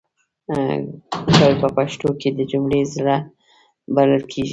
کړ په پښتو کې د جملې زړه بلل کېږي.